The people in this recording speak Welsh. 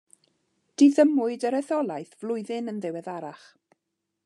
Diddymwyd yr etholaeth flwyddyn yn ddiweddarach.